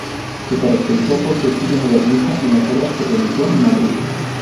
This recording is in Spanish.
Se caracterizó por su estilo modernista en las obras que realizó en Madrid.